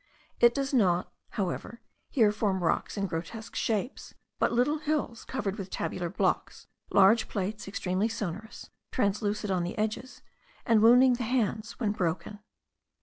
It does not, however, here form rocks in grotesque shapes, but little hills covered with tabular blocks, large plates extremely sonorous, translucid on the edges, and wounding the hands when broken.